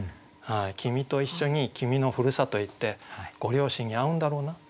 君と一緒に君のふるさとへ行ってご両親に会うんだろうな。